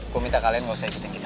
kok minta kalian gak usah ikutin kita